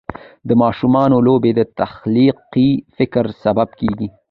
د ماشومانو لوبې د تخلیقي فکر سبب کېږي.